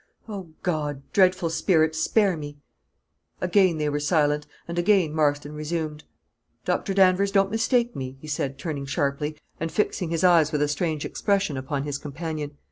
Oh, God dreadful Spirit spare me!" Again they were silent, and again Marston resumed "Doctor Danvers, don't mistake me," he said, turning sharply, and fixing his eyes with a strange expression upon his companion.